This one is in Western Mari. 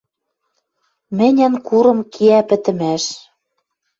Мӹньӹн курым кеӓ пӹтӹмӓш.